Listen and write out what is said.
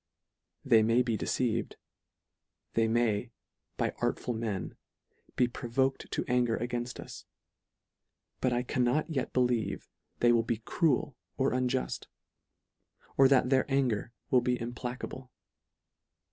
They may be deceived : they may, by artful men, be provoked to anger againfi; us ; but I can not yet believe they will be cruel or unjuft; or that their anger will be implacable.